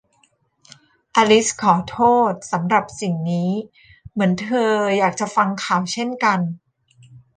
อลิซขอโทษสำหรับสิ่งนี้ เหมือนเธออยากจะฟังข่าวเช่นกัน